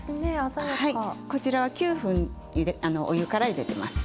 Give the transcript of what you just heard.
こちらは９分あのお湯からゆでてます。